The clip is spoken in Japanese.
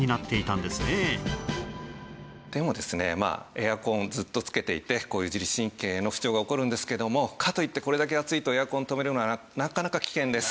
エアコンをずっとつけていてこういう自律神経の不調が起こるんですけどもかといってこれだけ暑いとエアコンを止めるのはなかなか危険です。